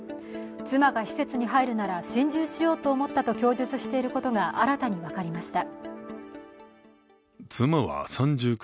妻が施設に入るなら心中しようと思ったと供述していることが新たに分かりました。